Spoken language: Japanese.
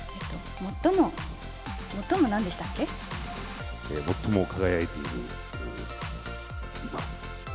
最も輝いている、今。